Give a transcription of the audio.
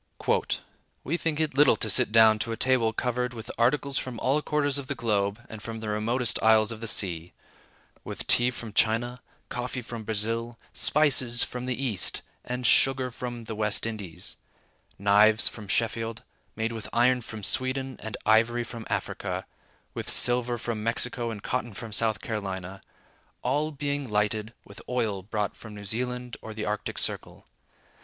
"We think it little to sit down to a table covered with articles from all quarters of the globe and from the remotest isles of the sea—with tea from China, coffee from Brazil, spices from the East, and sugar from the West Indies; knives from Sheffield, made with iron from Sweden and ivory from Africa; with silver from Mexico and cotton from South Carolina; all being lighted with oil brought from New Zealand or the Arctic Circle.